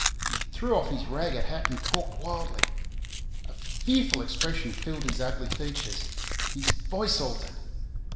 He threw off his ragged hat and talked wildly. A fearful expression filled his ugly features. His voice altered.